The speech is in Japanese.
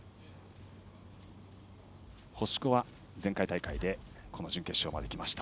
星子は前回大会でこの準決勝まできました。